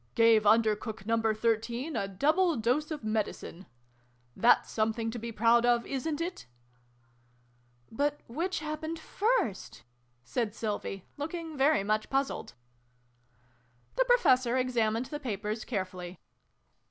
' Gave Under Cook Number Thirteen a Double Dose of Medicine' That ' s something to be proud of, isnt it ?" "But which happened first ?" said Sylvie, looking very much puzzled. The Professor examined the papers care fully.